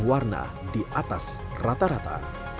warna di atas rata rata